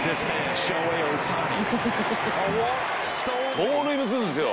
「盗塁もするんですよ！